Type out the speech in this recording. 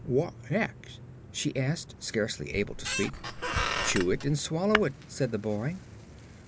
"What next?" she asked, scarcely able to speak. "Chew it and swallow it," said the boy.